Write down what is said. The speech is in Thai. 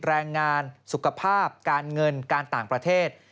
แรงงานสุขภาพการเงินการต่างประเทศ